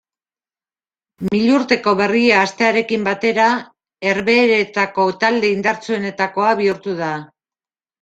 Milurteko berria hastearekin batera Herbeheretako talde indartsuenetakoa bihurtu da.